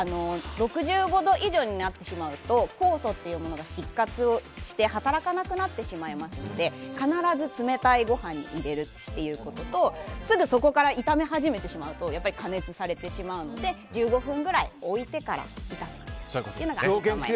６５度以上になってしまうと酵素というものが死活をして働くなってしまいますので必ず冷たいご飯に入れるということとすぐそこから炒め始めてしまうと加熱されてしまうので１５分くらい置いてから炒めてください。